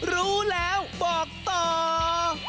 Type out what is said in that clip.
รู้แล้วบอกต่อ